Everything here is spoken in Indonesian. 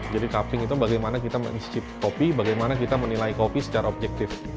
jadi cupping itu bagaimana kita mencipt kopi bagaimana kita menilai kopi secara objektif